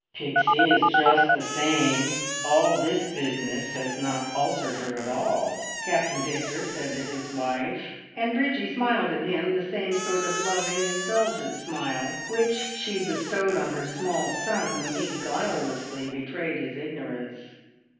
"Pixie is just the same. All this business has not altered her at all," Captain Victor said to his wife, and Bridgie smiled at him, the same sort of loving, indulgent smile which she bestowed on her small son when he guilelessly betrayed his ignorance.